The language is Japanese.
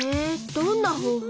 どんな方法？